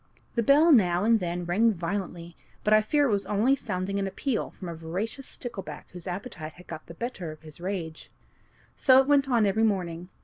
The bell now and then rang violently, but I fear it was only sounding an appeal from a voracious stickleback whose appetite had got the better of his rage. So it went on every morning.